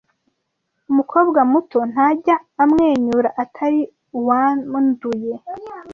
Umukobwa muto ntajya amwenyura Atari uwanduye.